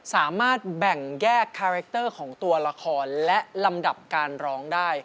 สามารถแบ่งแยกคาแรคเตอร์ของตัวละครและลำดับการร้องได้